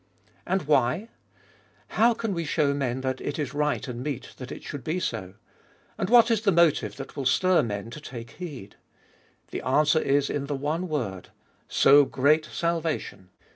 And why ? How can we show men that it is right and meet that it should be so ? And what is the motive that will stir men to take heed ? The answer is in the one word : So great salvation.